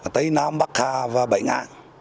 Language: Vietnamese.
tây nam bắc hà và bảy ngã